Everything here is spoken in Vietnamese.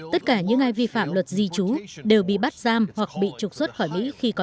tất cả những ai vi phạm luật di trú đều bị bắt giam